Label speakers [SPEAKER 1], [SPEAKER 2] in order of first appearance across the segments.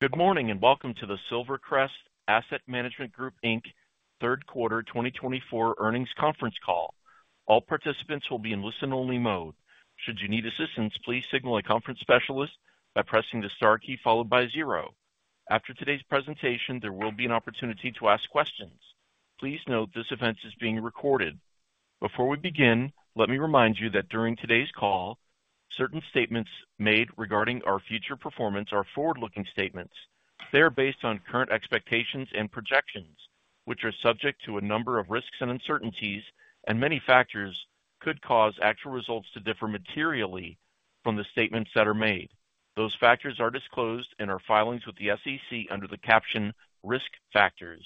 [SPEAKER 1] Good morning and welcome to the Silvercrest Asset Management Group, Inc Third Quarter 2024 Earnings Conference Call. All participants will be in listen-only mode. Should you need assistance, please signal a conference specialist by pressing the star key followed by zero. After today's presentation, there will be an opportunity to ask questions. Please note this event is being recorded. Before we begin, let me remind you that during today's call, certain statements made regarding our future performance are forward-looking statements. They are based on current expectations and projections, which are subject to a number of risks and uncertainties, and many factors could cause actual results to differ materially from the statements that are made. Those factors are disclosed in our filings with the SEC under the caption "Risk Factors."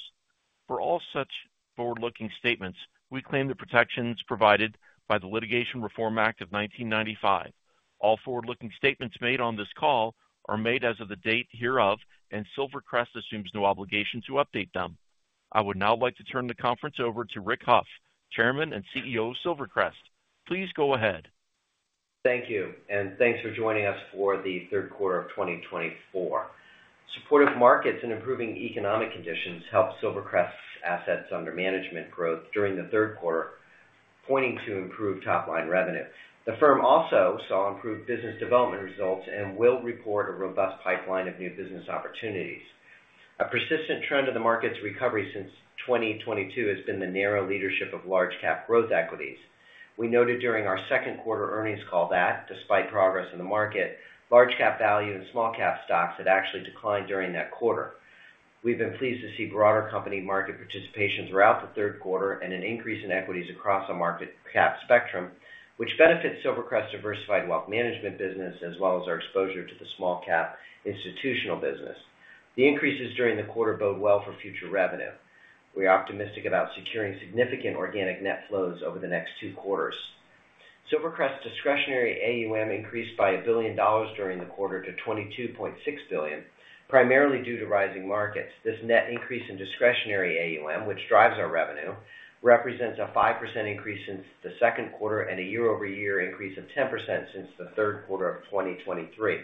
[SPEAKER 1] For all such forward-looking statements, we claim the protections provided by the Litigation Reform Act of 1995. All forward-looking statements made on this call are made as of the date hereof, and Silvercrest assumes no obligation to update them. I would now like to turn the conference over to Rick Hough, Chairman and CEO of Silvercrest. Please go ahead.
[SPEAKER 2] Thank you, and thanks for joining us for the third quarter of 2024. Supportive markets and improving economic conditions helped Silvercrest's assets under management growth during the third quarter, pointing to improved top-line revenue. The firm also saw improved business development results and will report a robust pipeline of new business opportunities. A persistent trend of the market's recovery since 2022 has been the narrow leadership of large-cap growth equities. We noted during our second quarter earnings call that, despite progress in the market, large-cap value and small-cap stocks had actually declined during that quarter. We've been pleased to see broader company market participation throughout the third quarter and an increase in equities across our market cap spectrum, which benefits Silvercrest's diversified wealth management business as well as our exposure to the small-cap institutional business. The increases during the quarter bode well for future revenue. We are optimistic about securing significant organic net flows over the next two quarters. Silvercrest's discretionary AUM increased by $1 billion during the quarter to $22.6 billion, primarily due to rising markets. This net increase in discretionary AUM, which drives our revenue, represents a 5% increase since the second quarter and a year-over-year increase of 10% since the third quarter of 2023.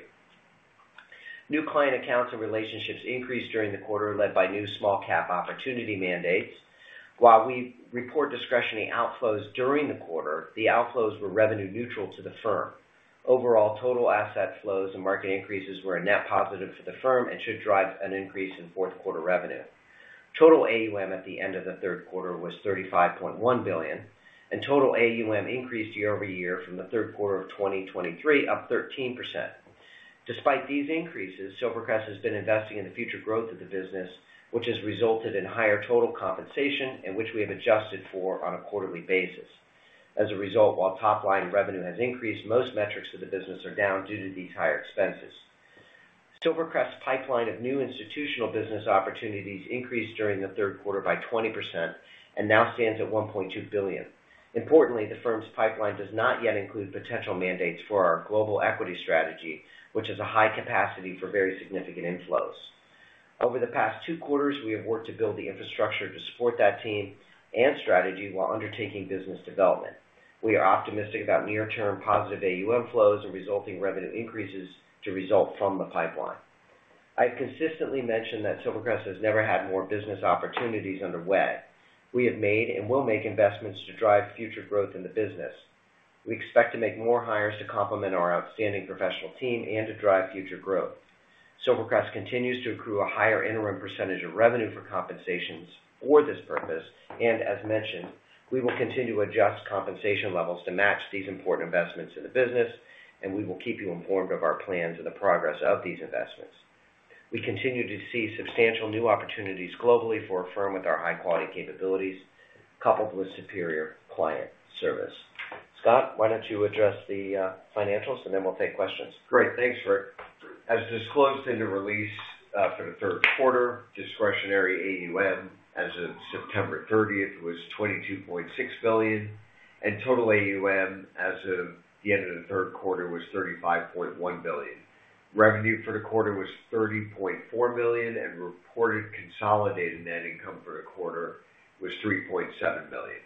[SPEAKER 2] New client accounts and relationships increased during the quarter, led by new small-cap opportunity mandates. While we report discretionary outflows during the quarter, the outflows were revenue-neutral to the firm. Overall, total asset flows and market increases were a net positive for the firm and should drive an increase in fourth quarter revenue. Total AUM at the end of the third quarter was $35.1 billion, and total AUM increased year-over-year from the third quarter of 2023 up 13%. Despite these increases, Silvercrest has been investing in the future growth of the business, which has resulted in higher total compensation, which we have adjusted for on a quarterly basis. As a result, while top-line revenue has increased, most metrics of the business are down due to these higher expenses. Silvercrest's pipeline of new institutional business opportunities increased during the third quarter by 20% and now stands at $1.2 billion. Importantly, the firm's pipeline does not yet include potential mandates for our global equity strategy, which has a high capacity for very significant inflows. Over the past two quarters, we have worked to build the infrastructure to support that team and strategy while undertaking business development. We are optimistic about near-term positive AUM flows and resulting revenue increases to result from the pipeline. I have consistently mentioned that Silvercrest has never had more business opportunities underway. We have made and will make investments to drive future growth in the business. We expect to make more hires to complement our outstanding professional team and to drive future growth. Silvercrest continues to accrue a higher interim percentage of revenue for compensations for this purpose, and as mentioned, we will continue to adjust compensation levels to match these important investments in the business, and we will keep you informed of our plans and the progress of these investments. We continue to see substantial new opportunities globally for a firm with our high-quality capabilities, coupled with superior client service. Scott, why don't you address the financials, and then we'll take questions?
[SPEAKER 3] Great. Thanks, Rick. As disclosed in the release for the third quarter, discretionary AUM as of September 30th was $22.6 billion, and total AUM as of the end of the third quarter was $35.1 billion. Revenue for the quarter was $30.4 million, and reported consolidated net income for the quarter was $3.7 million.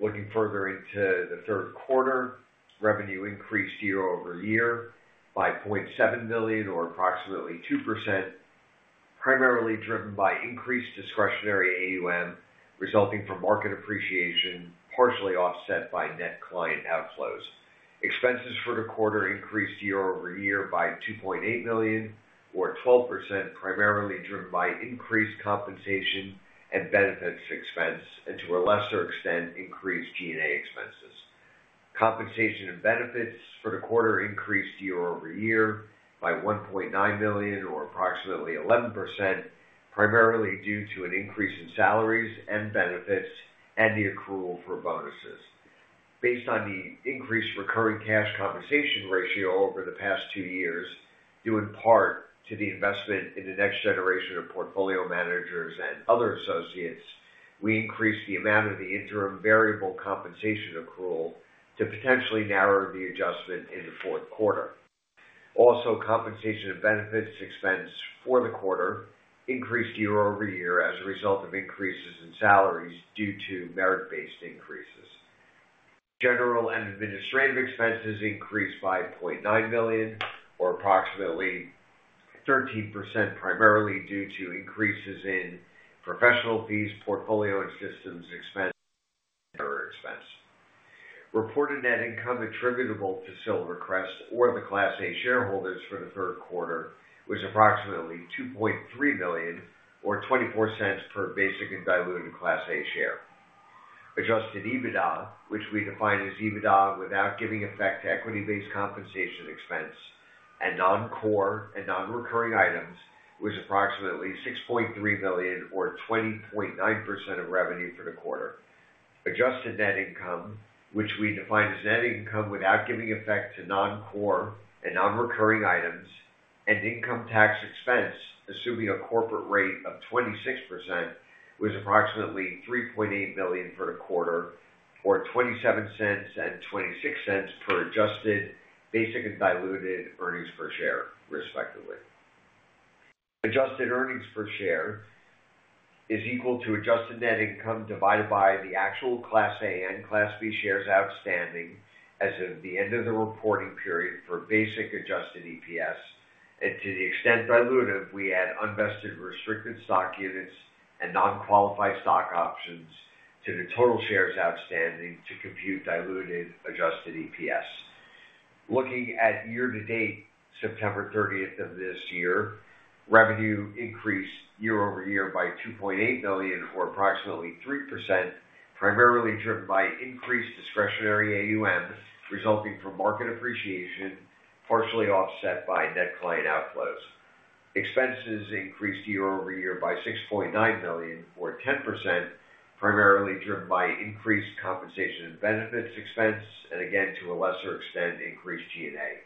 [SPEAKER 3] Looking further into the third quarter, revenue increased year-over-year by $0.7 million, or approximately 2%, primarily driven by increased discretionary AUM resulting from market appreciation, partially offset by net client outflows. Expenses for the quarter increased year-over-year by $2.8 million, or 12%, primarily driven by increased compensation and benefits expense, and to a lesser extent, increased G&A expenses. Compensation and benefits for the quarter increased year-over-year by $1.9 million, or approximately 11%, primarily due to an increase in salaries and benefits and the accrual for bonuses. Based on the increased recurring cash compensation ratio over the past two years, due in part to the investment in the next generation of portfolio managers and other associates, we increased the amount of the interim variable compensation accrual to potentially narrow the adjustment in the fourth quarter. Also, compensation and benefits expense for the quarter increased year-over-year as a result of increases in salaries due to merit-based increases. General and administrative expenses increased by $0.9 million, or approximately 13%, primarily due to increases in professional fees, portfolio and systems expense, and other expense. Reported net income attributable to Silvercrest or the Class A shareholders for the third quarter was approximately $2.3 million, or $0.24 per basic and diluted Class A share. Adjusted EBITDA, which we define as EBITDA without giving effect to equity-based compensation expense and non-core and non-recurring items, was approximately $6.3 million, or 20.9% of revenue for the quarter. Adjusted net income, which we define as net income without giving effect to non-core and non-recurring items, and income tax expense, assuming a corporate rate of 26%, was approximately $3.8 million for the quarter, or $0.27 and $0.26 per adjusted basic and diluted earnings per share, respectively. Adjusted earnings per share is equal to adjusted net income divided by the actual Class A and Class B shares outstanding as of the end of the reporting period for basic adjusted EPS, and to the extent diluted, we add unvested restricted stock units and non-qualified stock options to the total shares outstanding to compute diluted adjusted EPS. Looking at year-to-date, September 30th of this year, revenue increased year-over-year by $2.8 million, or approximately 3%, primarily driven by increased discretionary AUM resulting from market appreciation, partially offset by net client outflows. Expenses increased year-over-year by $6.9 million, or 10%, primarily driven by increased compensation and benefits expense, and again, to a lesser extent, increased G&A.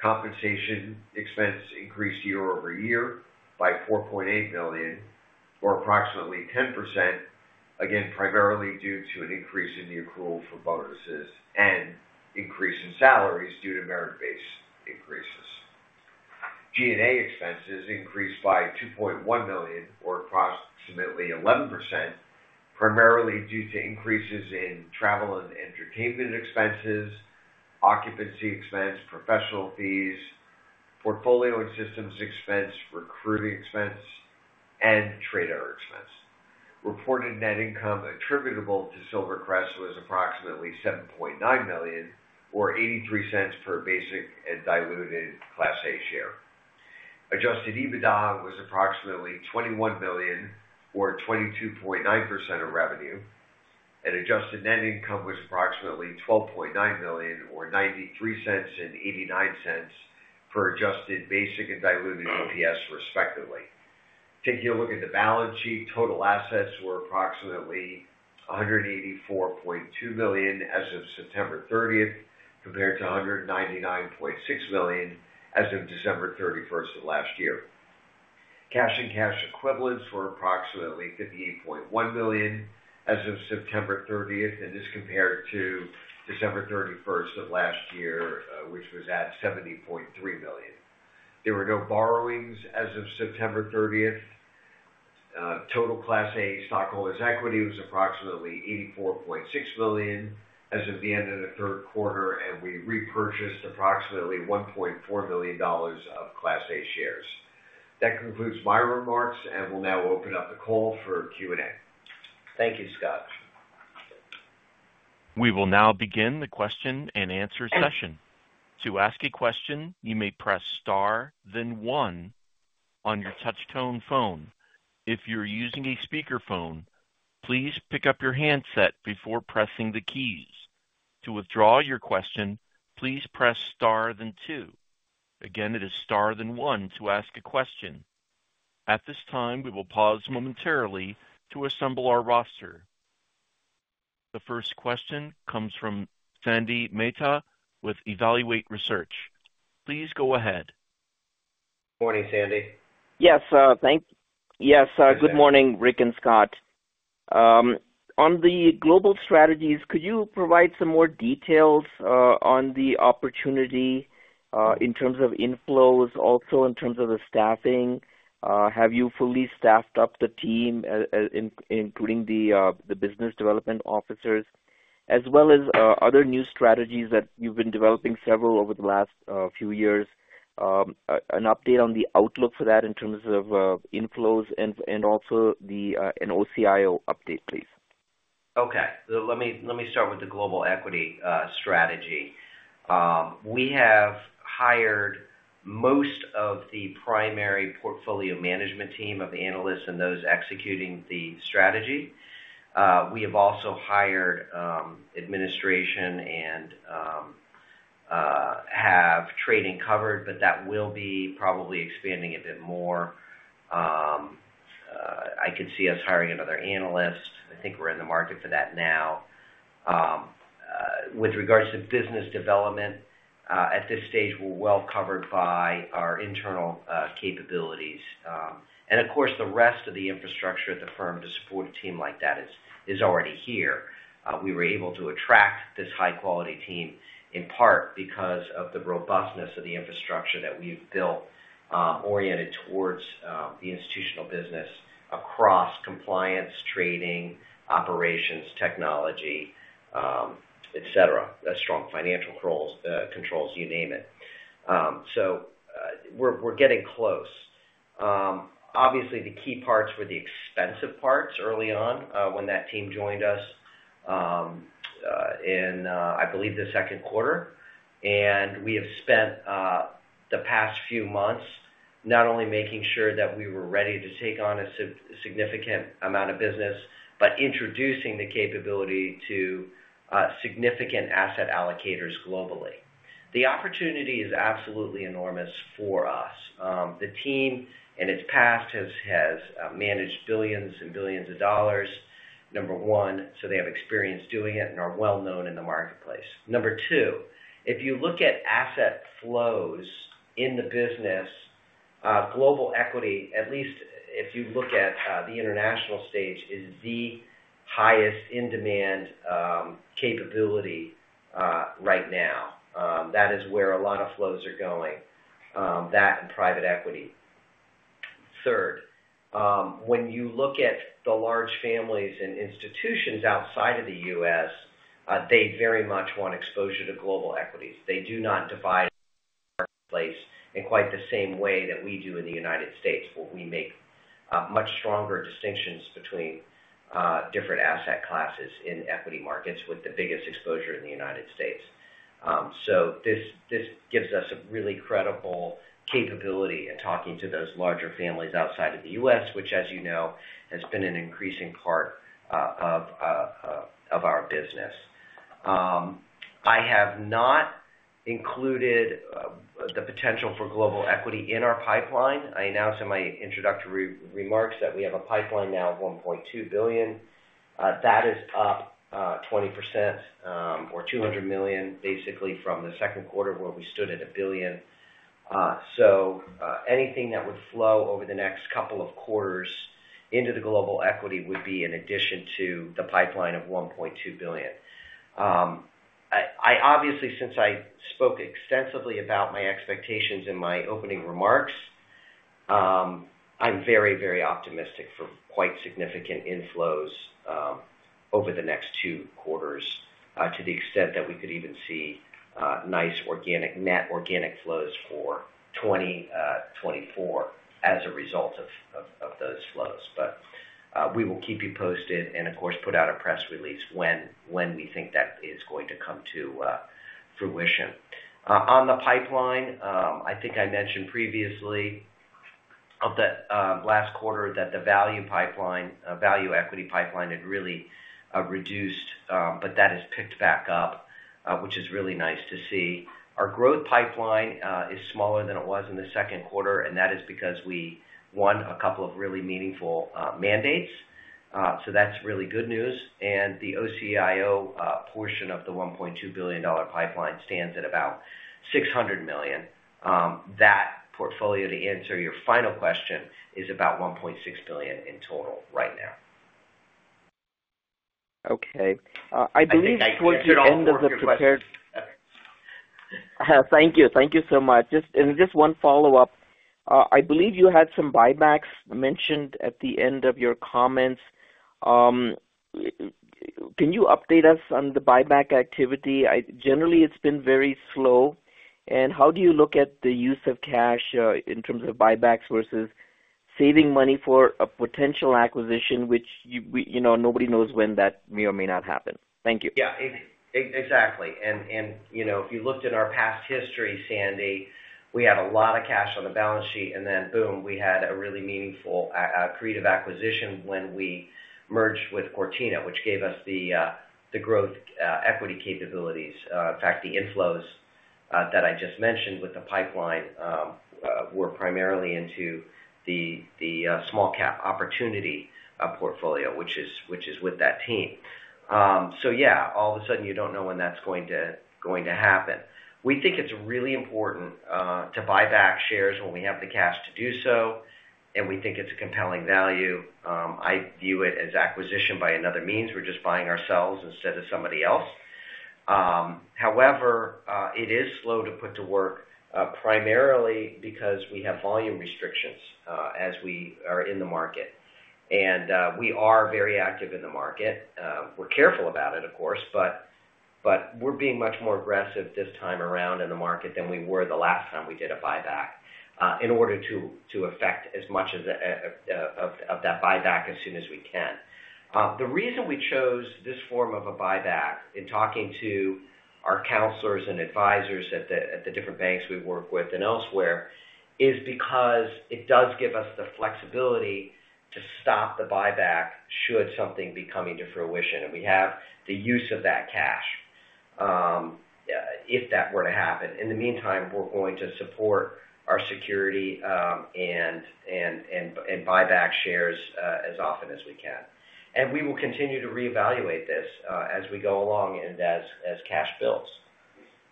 [SPEAKER 3] Compensation expense increased year-over-year by $4.8 million, or approximately 10%, again, primarily due to an increase in the accrual for bonuses and increase in salaries due to merit-based increases. G&A expenses increased by $2.1 million, or approximately 11%, primarily due to increases in travel and entertainment expenses, occupancy expense, professional fees, portfolio and systems expense, recruiting expense, and trade error expense. Reported net income attributable to Silvercrest was approximately $7.9 million, or $0.83 per basic and diluted Class A share. Adjusted EBITDA was approximately $21 million, or 22.9% of revenue. Adjusted net income was approximately $12.9 million, or $0.93 and $0.89 for adjusted basic and diluted EPS, respectively. Taking a look at the balance sheet, total assets were approximately $184.2 million as of September 30th, compared to $199.6 million as of December 31st of last year. Cash and cash equivalents were approximately $58.1 million as of September 30th, and this compared to December 31st of last year, which was at $70.3 million. There were no borrowings as of September 30th. Total Class A stockholders' equity was approximately $84.6 million as of the end of the third quarter, and we repurchased approximately $1.4 million of Class A shares. That concludes my remarks, and we'll now open up the call for Q&A.
[SPEAKER 2] Thank you, Scott.
[SPEAKER 1] We will now begin the question and answer session. To ask a question, you may press star, then one on your touch-tone phone. If you're using a speakerphone, please pick up your handset before pressing the keys. To withdraw your question, please press star, then two. Again, it is star, then one to ask a question. At this time, we will pause momentarily to assemble our roster. The first question comes from Sandy Mehta with Evaluate Research. Please go ahead.
[SPEAKER 2] Morning, Sandy.
[SPEAKER 4] Yes, thank you. Yes, good morning, Rick and Scott. On the global strategies, could you provide some more details on the opportunity in terms of inflows, also in terms of the staffing? Have you fully staffed up the team, including the business development officers, as well as other new strategies that you've been developing several over the last few years? An update on the outlook for that in terms of inflows and also an OCIO update, please.
[SPEAKER 2] Okay. Let me start with the global equity strategy. We have hired most of the primary portfolio management team of analysts and those executing the strategy. We have also hired administration and have trading covered, but that will be probably expanding a bit more. I could see us hiring another analyst. I think we're in the market for that now. With regards to business development, at this stage, we're well covered by our internal capabilities. And of course, the rest of the infrastructure at the firm to support a team like that is already here. We were able to attract this high-quality team in part because of the robustness of the infrastructure that we've built oriented towards the institutional business across compliance, trading, operations, technology, et cetera, strong financial controls, you name it. So we're getting close. Obviously, the key parts were the expensive parts early on when that team joined us in, I believe, the second quarter, and we have spent the past few months not only making sure that we were ready to take on a significant amount of business, but introducing the capability to significant asset allocators globally. The opportunity is absolutely enormous for us. The team and its past has managed billions and billions of dollars, number one, so they have experience doing it and are well-known in the marketplace. Number two, if you look at asset flows in the business, global equity, at least if you look at the international stage, is the highest in-demand capability right now. That is where a lot of flows are going, that and private equity. Third, when you look at the large families and institutions outside of the U.S., they very much want exposure to global equities. They do not divide the marketplace in quite the same way that we do in the United States, where we make much stronger distinctions between different asset classes in equity markets with the biggest exposure in the United States, so this gives us a really credible capability in talking to those larger families outside of the U.S., which, as you know, has been an increasing part of our business. I have not included the potential for global equity in our pipeline. I announced in my introductory remarks that we have a pipeline now of $1.2 billion. That is up 20%, or $200 million, basically, from the second quarter where we stood at $1 billion. Anything that would flow over the next couple of quarters into the global equity would be in addition to the pipeline of $1.2 billion. Obviously, since I spoke extensively about my expectations in my opening remarks, I'm very, very optimistic for quite significant inflows over the next two quarters to the extent that we could even see nice organic net flows for 2024 as a result of those flows. We will keep you posted and, of course, put out a press release when we think that is going to come to fruition. On the pipeline, I think I mentioned previously of the last quarter that the value equity pipeline had really reduced, but that has picked back up, which is really nice to see. Our growth pipeline is smaller than it was in the second quarter, and that is because we won a couple of really meaningful mandates. So that's really good news, and the OCIO portion of the $1.2 billion pipeline stands at about $600 million. That portfolio, to answer your final question, is about $1.6 billion in total right now.
[SPEAKER 4] Okay. I believe towards the end of the prepared. Thank you. Thank you so much. And just one follow-up. I believe you had some buybacks mentioned at the end of your comments. Can you update us on the buyback activity? Generally, it's been very slow. And how do you look at the use of cash in terms of buybacks versus saving money for a potential acquisition, which nobody knows when that may or may not happen? Thank you.
[SPEAKER 2] Yeah. Exactly. And if you looked at our past history, Sandy, we had a lot of cash on the balance sheet, and then, boom, we had a really meaningful creative acquisition when we merged with Cortina, which gave us the growth equity capabilities. In fact, the inflows that I just mentioned with the pipeline were primarily into the small-cap opportunity portfolio, which is with that team. So yeah, all of a sudden, you don't know when that's going to happen. We think it's really important to buy back shares when we have the cash to do so, and we think it's a compelling value. I view it as acquisition by another means. We're just buying ourselves instead of somebody else. However, it is slow to put to work primarily because we have volume restrictions as we are in the market, and we are very active in the market. We're careful about it, of course, but we're being much more aggressive this time around in the market than we were the last time we did a buyback in order to effect as much of that buyback as soon as we can. The reason we chose this form of a buyback in talking to our counselors and advisors at the different banks we work with and elsewhere is because it does give us the flexibility to stop the buyback should something be coming to fruition, and we have the use of that cash if that were to happen. In the meantime, we're going to support our security and buyback shares as often as we can. And we will continue to reevaluate this as we go along and as cash builds.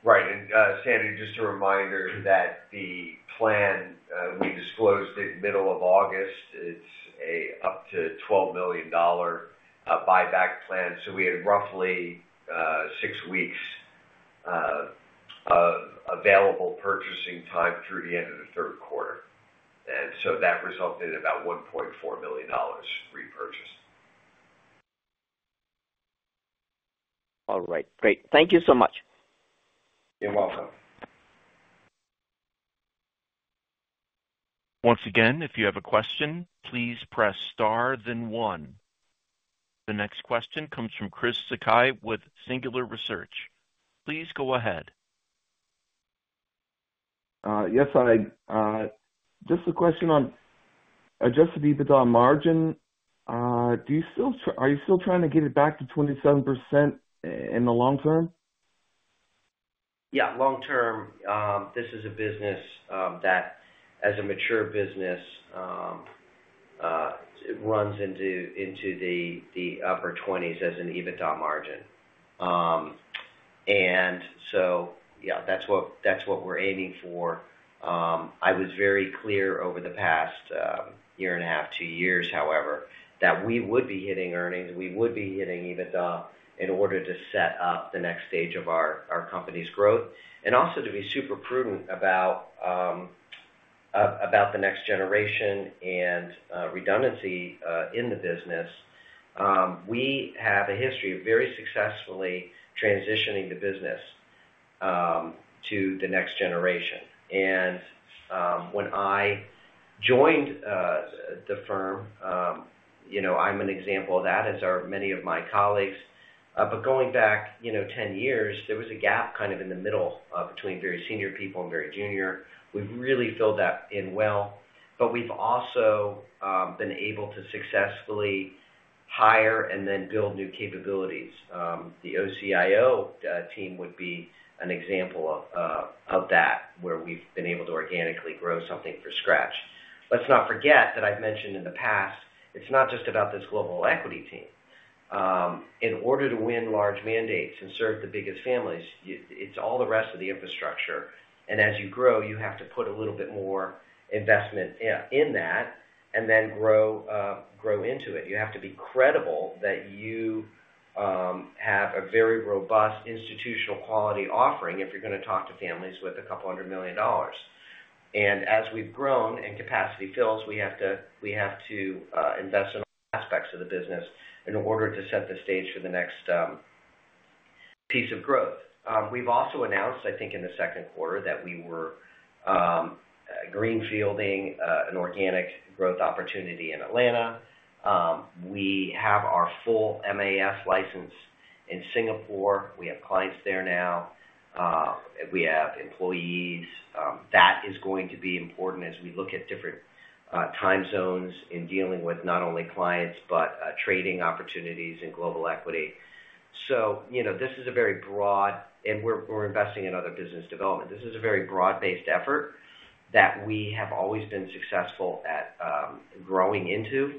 [SPEAKER 3] Right, and Sandy, just a reminder that the plan we disclosed in the middle of August, it's an up to $12 million buyback plan. So we had roughly six weeks of available purchasing time through the end of the third quarter, and so that resulted in about $1.4 million repurchased.
[SPEAKER 4] All right. Great. Thank you so much.
[SPEAKER 2] You're welcome.
[SPEAKER 1] Once again, if you have a question, please press star, then one. The next question comes from Chris Sakai with Singular Research. Please go ahead.
[SPEAKER 5] Yes, hi. Just a question on Adjusted EBITDA margin. Are you still trying to get it back to 27% in the long term?
[SPEAKER 2] Yeah. Long term, this is a business that, as a mature business, runs into the upper 20s% as an EBITDA margin. And so yeah, that's what we're aiming for. I was very clear over the past year and a half, two years, however, that we would be hitting earnings. We would be hitting EBITDA in order to set up the next stage of our company's growth and also to be super prudent about the next generation and redundancy in the business. We have a history of very successfully transitioning the business to the next generation. And when I joined the firm, I'm an example of that, as are many of my colleagues. But going back 10 years, there was a gap kind of in the middle between very senior people and very junior. We've really filled that in well. But we've also been able to successfully hire and then build new capabilities. The OCIO team would be an example of that, where we've been able to organically grow something from scratch. Let's not forget that I've mentioned in the past, it's not just about this global equity team. In order to win large mandates and serve the biggest families, it's all the rest of the infrastructure. And as you grow, you have to put a little bit more investment in that and then grow into it. You have to be credible that you have a very robust institutional quality offering if you're going to talk to families with $200 million. And as we've grown and capacity fills, we have to invest in all aspects of the business in order to set the stage for the next piece of growth. We've also announced, I think, in the second quarter that we were greenfielding an organic growth opportunity in Atlanta. We have our full MAS license in Singapore. We have clients there now. We have employees. That is going to be important as we look at different time zones in dealing with not only clients but trading opportunities and global equity. So this is a very broad, and we're investing in other business development. This is a very broad-based effort that we have always been successful at growing into.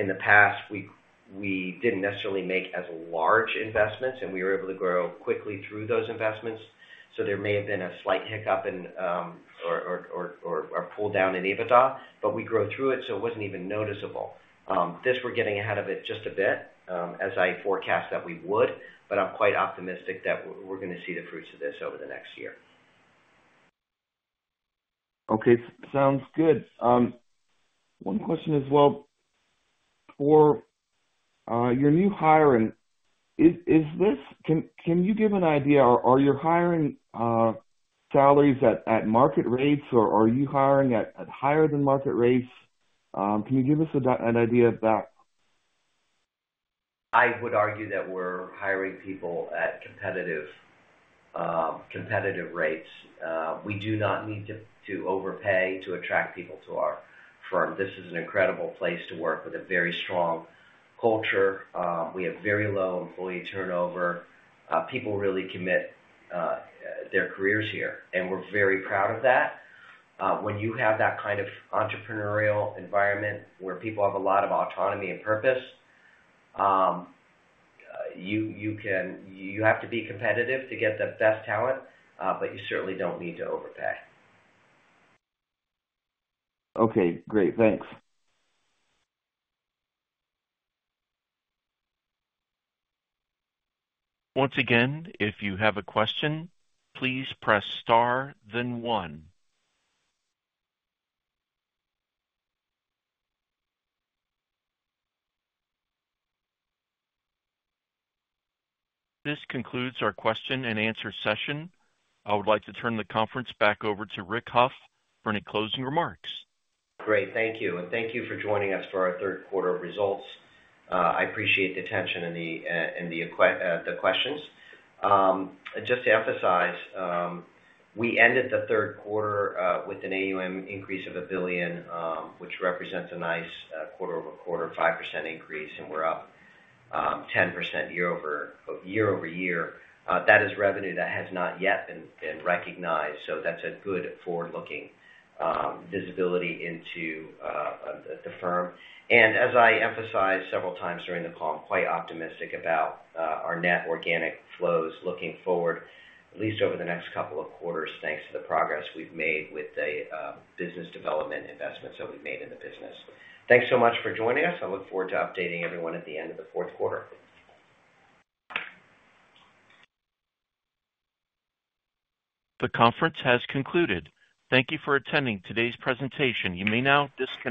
[SPEAKER 2] In the past, we didn't necessarily make as large investments, and we were able to grow quickly through those investments. So there may have been a slight hiccup or a pull down in EBITDA, but we grew through it, so it wasn't even noticeable. This, we're getting ahead of it just a bit, as I forecast that we would, but I'm quite optimistic that we're going to see the fruits of this over the next year.
[SPEAKER 5] Okay. Sounds good. One question as well. For your new hiring, can you give an idea? Are you hiring salaries at market rates, or are you hiring at higher than market rates? Can you give us an idea of that?
[SPEAKER 2] I would argue that we're hiring people at competitive rates. We do not need to overpay to attract people to our firm. This is an incredible place to work with a very strong culture. We have very low employee turnover. People really commit their careers here, and we're very proud of that. When you have that kind of entrepreneurial environment where people have a lot of autonomy and purpose, you have to be competitive to get the best talent, but you certainly don't need to overpay.
[SPEAKER 5] Okay. Great. Thanks.
[SPEAKER 1] Once again, if you have a question, please press star, then one. This concludes our question and answer session. I would like to turn the conference back over to Rick Hough for any closing remarks.
[SPEAKER 2] Great. Thank you. And thank you for joining us for our third quarter results. I appreciate the attention and the questions. Just to emphasize, we ended the third quarter with an AUM increase of $1 billion, which represents a nice quarter-over-quarter 5% increase, and we're up 10% year-over-year. That is revenue that has not yet been recognized. So that's a good forward-looking visibility into the firm. And as I emphasized several times during the call, I'm quite optimistic about our net organic flows looking forward, at least over the next couple of quarters, thanks to the progress we've made with the business development investments that we've made in the business. Thanks so much for joining us. I look forward to updating everyone at the end of the fourth quarter.
[SPEAKER 1] The conference has concluded. Thank you for attending today's presentation. You may now disconnect.